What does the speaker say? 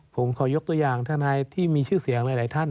ผมขอยกตัวอย่างทนายที่มีชื่อเสียงหลายท่าน